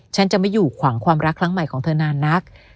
ฉันจะไม่อยู่ขวางความรักครั้งใหม่ของเธอนานนัก